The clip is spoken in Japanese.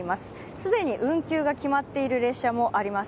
既に運休が決まっている列車もあります